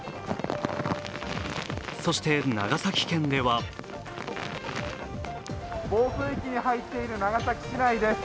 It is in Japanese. そして長崎県では暴風域に入っている長崎市内です。